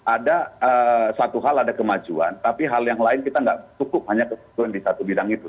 ada satu hal ada kemajuan tapi hal yang lain kita tidak cukup hanya kebetulan di satu bidang itu